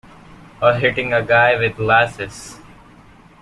Or hitting a guy with glasses.